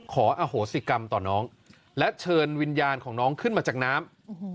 ขออโหสิกรรมต่อน้องและเชิญวิญญาณของน้องขึ้นมาจากน้ำ